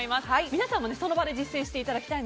皆さんもその場で実践してください。